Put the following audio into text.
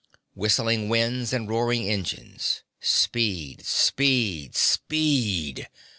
Whistling wind and roaring engines. Speed, speed, speed!